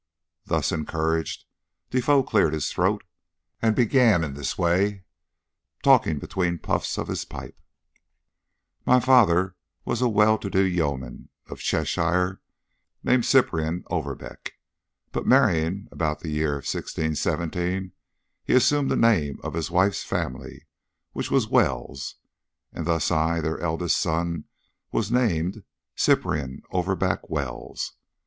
Thus encouraged, Defoe cleared his throat, and began in this way, talking between the puffs of his pipe: "My father was a well to do yeoman of Cheshire, named Cyprian Overbeck, but, marrying about the year 1617, he assumed the name of his wife's family, which was Wells; and thus I, their eldest son, was named Cyprian Overbeck Wells.